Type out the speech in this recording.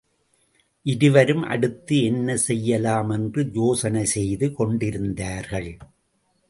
இருவரும் அடுத்து என்ன செய்யலாம் என்று யோசனை செய்து கொண்டிருந்தார்கள்.